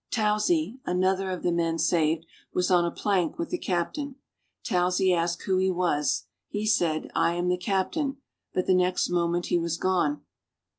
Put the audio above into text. Towsey, another of the men saved, was on a plank with the captain. Towsey asked who he was? He said "I am the captain," but the next moment he was gone.